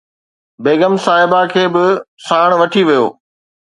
بيگم صاحبه کي به ساڻ وٺي ويو